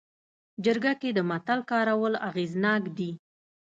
جرګه کې د متل کارول اغېزناک دي